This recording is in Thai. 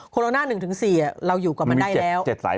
โรนา๑๔เราอยู่กับมันได้แล้ว